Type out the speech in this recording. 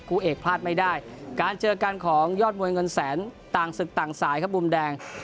คู่เอกพลาดไม่ได้การเจอกันของยอดมวยเงินแสนต่างศึกต่างสายครับมุมแดง